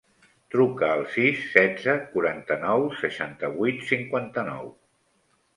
Truca al sis, setze, quaranta-nou, seixanta-vuit, cinquanta-nou.